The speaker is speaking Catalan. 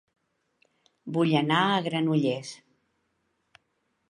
Vull anar a Granollers